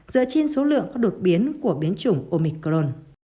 dựa trên số lượng các đột biến của biến chủng omicron